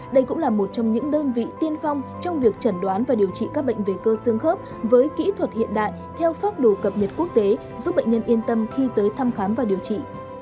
đây cũng là một trong những đơn vị tiên phong trong việc chẩn đoán và điều trị các bệnh về cơ xương khớp với kỹ thuật hiện đại theo pháp đồ cập nhật quốc tế giúp bệnh nhân yên tâm khi tới thăm khám và điều trị